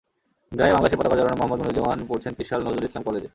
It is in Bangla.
গায়ে বাংলাদেশের পতাকা জড়ানো মোহাম্মদ মনিরুজ্জামান পড়ছেন ত্রিশাল নজরুল ইসলাম কলেজে।